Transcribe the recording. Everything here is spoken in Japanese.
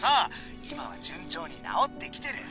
今は順調に治ってきてる。